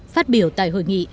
phát biểu tại hội nghị